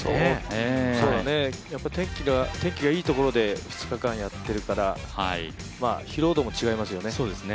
やっぱ天気がいいところで２日間やってるから、疲労度も違いますよね。